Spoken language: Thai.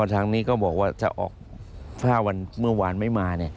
ทางนี้ก็บอกว่าถ้าออก๕วันเมื่อวานไม่มา